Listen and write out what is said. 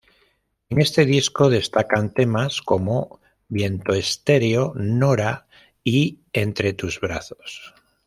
En este disco destacan temas como "Viento stereo", "Nora" y "Entre tus brazos".